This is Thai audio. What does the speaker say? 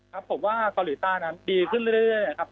ครับผมว่าเกาหลีใต้นั้นดีขึ้นเรื่อยครับ